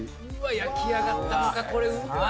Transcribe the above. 焼き上がったこれうわあ